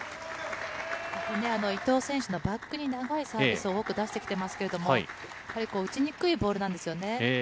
伊藤選手のバックに長いサービスを多く出してきてますけれども、やはり打ちにくいボールなんですよね。